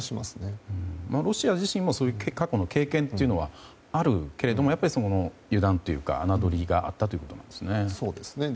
ロシア自身そういう過去の経験はあるけれども油断というか、侮りがあったということなんですね。